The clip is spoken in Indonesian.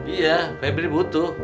iya pebri butuh